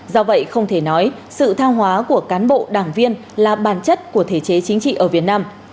do vậy không thể nói sự thao hóa của cán bộ đảng viên là bản chất của thể chế chính trị ở việt nam